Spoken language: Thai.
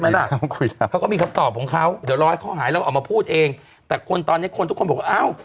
เดี๋ยวล้อยข้อหายออกมาพูดเองแต่ว่าคนทุกคนบอกว่าโอ้